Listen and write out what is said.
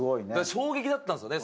衝撃だったんですよね